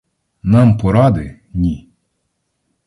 Нам поради — ні!